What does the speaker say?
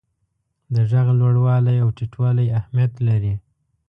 د ږغ لوړوالی او ټیټوالی اهمیت لري.